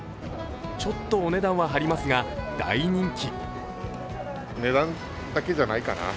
ちょっとお値段は張りますが大人気。